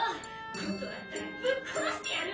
今度会ったらぶっ殺してやる！